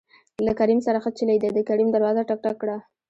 له کريم سره ښه چلېده د کريم دروازه ټک، ټک کړه.